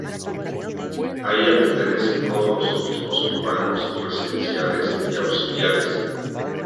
A ella pertenecen todos los obispos cubanos, residenciales y auxiliares.